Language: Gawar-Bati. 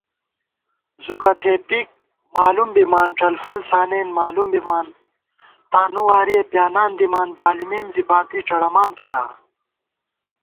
زُکہ تھېپِک مالُوم بِمان، ڄلفل سانېن مالُوم بِمان * تانُو وارِیَہ پیانان دِمان بالِمېم زی باتی ڄڑَمان تِتا